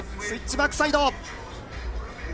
スイッチバックサイド。